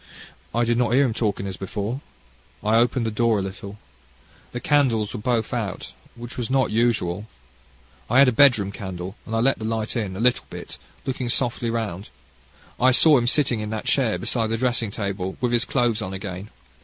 I did not hear him talking as before. I opened the door a little. The candles were both out, which was not usual. I had a bedroom candle, and I let the light in, a little bit, looking softly round. I saw him sitting in that chair beside the dressing table with his clothes on again.